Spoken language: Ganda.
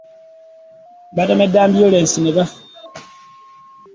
Batomedde ambyulensi ne bafa.